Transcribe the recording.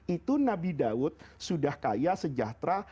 itu nabi daud sudah kaya sejahtera